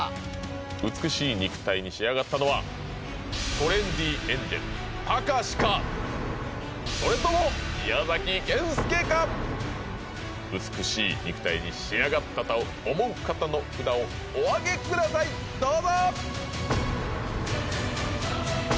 美しい肉体に仕上がったのはそれとも美しい肉体に仕上がったと思う方の札をお上げくださいどうぞ！